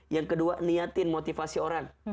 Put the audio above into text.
yang kedua niatin motivasi orang